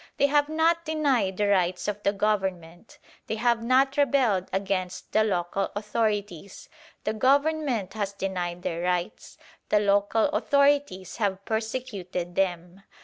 They have not denied the rights of the Government: they have not rebelled against the local authorities. The Government has denied their rights: the local authorities have persecuted them.